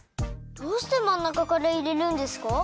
どうしてまんなかからいれるんですか？